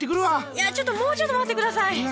いやちょっともうちょっと待って下さい！